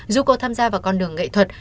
dù cô tham gia vào con đường nghệ thuật